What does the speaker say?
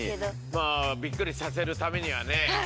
まあびっくりさせるためにはね。